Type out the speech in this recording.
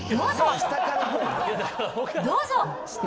どうぞ。